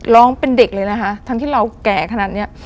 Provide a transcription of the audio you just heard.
ร้องเป็นเด็กเลยนะคะทั้งที่เราแก่ขนาดนี้